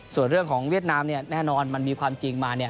ส่วนเรื่องของเวียดนามแน่นอนมันมีความจริงมา